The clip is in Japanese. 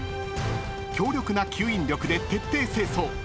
［強力な吸引力で徹底清掃］